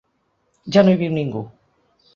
Ja no hi viu ningú.